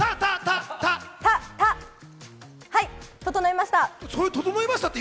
はい、整いました。